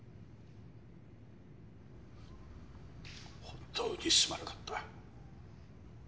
本当にすまなかった。